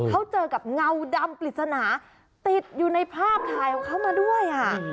เขาเจอกับเงาดำปริศนาติดอยู่ในภาพถ่ายของเขามาด้วย